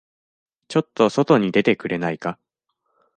ちょっと外に出てくれないか。